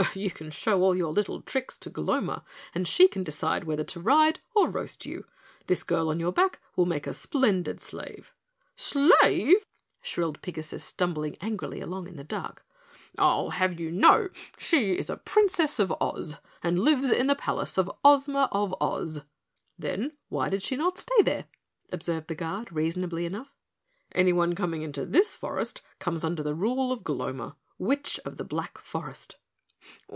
"You can show all your little tricks to Gloma and she can decide whether to ride or roast you. This girl on your back will make a splendid slave." "Slave!" shrilled Pigasus, stumbling angrily along in the dark. "I'll have you know that she is a Princess of Oz and lives in the palace of Ozma of Oz." "Then why did she not stay there?" observed the Guard reasonably enough. "Anyone coming into this forest comes under the rule of Gloma, Witch of the Black Forest."